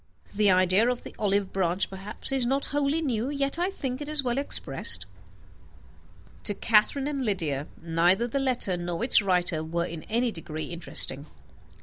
The idea of the olive branch perhaps is not wholly new, yet I think it is well expressed." To Catherine and Lydia neither the letter nor its writer were in any degree interesting.